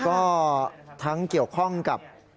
ก็ทั้งเกี่ยวข้องกับ